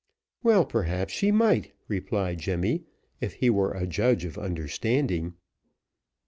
"Well, perhaps she might," replied Jemmy, "if he were a judge of understanding."